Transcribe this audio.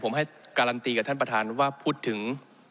ผมให้การันตีกับท่านประธานว่าพูดถึง